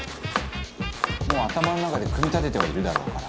「頭の中で組み立ててはいるだろうから」